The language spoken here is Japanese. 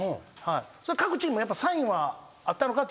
各チームサインはあったのかって